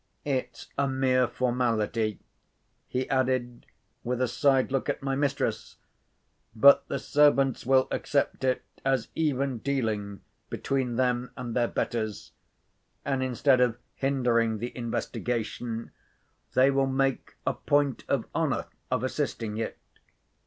It's a mere formality," he added, with a side look at my mistress; "but the servants will accept it as even dealing between them and their betters; and, instead of hindering the investigation, they will make a point of honour of assisting it."